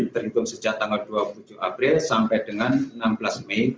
terhitung sejak tanggal dua puluh tujuh april sampai dengan enam belas mei